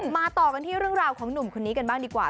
มาต่อกันที่เรื่องราวของหนุ่มคนนี้กันบ้างดีกว่า